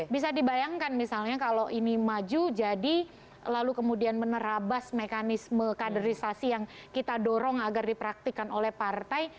bisa dibayangkan misalnya kalau ini maju jadi lalu kemudian menerabas mekanisme kaderisasi yang kita dorong agar dipraktikan oleh partai